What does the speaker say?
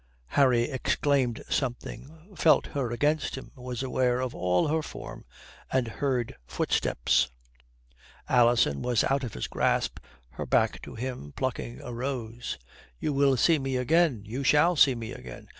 Harry exclaimed something, felt her against him, was aware of all her form and heard footsteps. Alison was out of his grasp, her back to him, plucking a rose. "You will see me again you shall see me again.